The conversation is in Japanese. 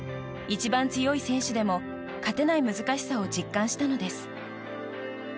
一番強い選手でも勝てない難しさを実感したのです。